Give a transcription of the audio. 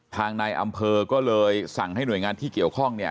ทางนายอำเภอก็เลยสั่งให้หน่วยงานที่เกี่ยวข้องเนี่ย